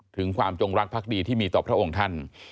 ถึงความจงรักภักดีที่มีต่อพระองค์ท่าน